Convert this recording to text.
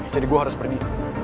jadi gue harus pergi